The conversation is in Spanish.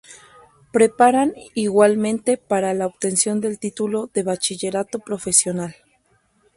Preparan igualmente para la obtención del título de bachillerato profesional.